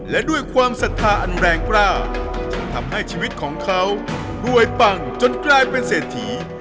และด้วยความศรัทธาอันแรงกล้าจึงทำให้ชีวิตของเขารวยปังจนกลายเป็นเศรษฐี